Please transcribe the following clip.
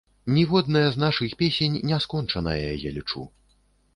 Ніводная з нашых песень не скончаная, я лічу.